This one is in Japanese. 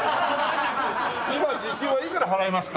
今時給はいくら払いますか？